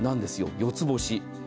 四つ星。